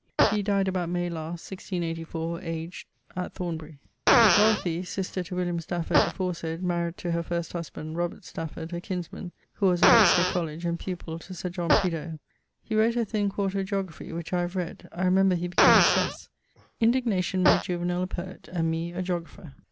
He dyed about May last, 1684, aged ... Thornbury. Dorothy, sister to William Stafford aforesayd, married to her first husband, Stafford, her kinsman, who was of Exeter Coll., and pupill to Dr. John Prideaulx. He wrote a thin 4to Geographie, which I have read. I remember he begins thus: 'Indignation made Juvenal a poet and me a geographer.'